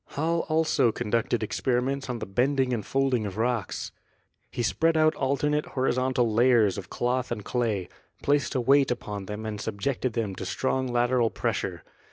Hall also conducted experiments on the bending and folding of rocks. He spread out alternate horizontal layers of cloth and clay, placed a weight upon them and subjected them to strong lateral pressure.